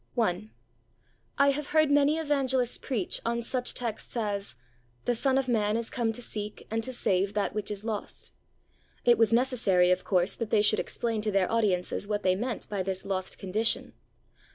I I have heard many evangelists preach on such texts as: 'The Son of Man is come to seek and to save that which is lost.' It was necessary, of course, that they should explain to their audiences what they meant by this lost condition.